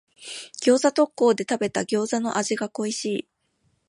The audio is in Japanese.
餃子特講で食べた餃子の味が恋しい。